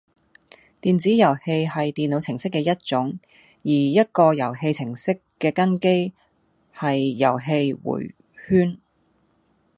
電子遊戲係電腦程式嘅一種，而一個遊戲程式嘅根基係遊戲迴圈